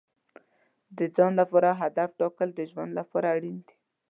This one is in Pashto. د ځان لپاره هدف ټاکل د ژوند لپاره اړین دي.